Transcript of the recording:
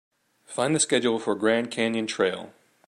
Find the schedule for Grand Canyon Trail.